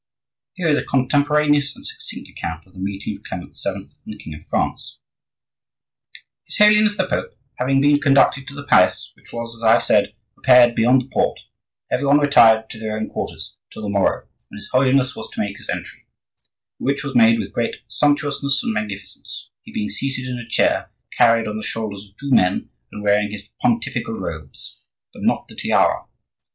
Here is a contemporaneous and succinct account of the meeting of Clement VII. and the king of France: "His Holiness the Pope, having been conducted to the palace, which was, as I have said, prepared beyond the port, every one retired to their own quarters till the morrow, when his Holiness was to make his entry; the which was made with great sumptuousness and magnificence, he being seated in a chair carried on the shoulders of two men and wearing his pontifical robes, but not the tiara.